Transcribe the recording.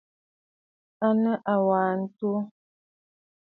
À nɨ àwa ǹtu.